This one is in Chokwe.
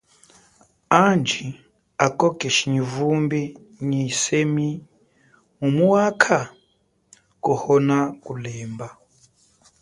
Andji, ako keshi vumbi nyi yisemi mumu wa kha? kuhonakulemba.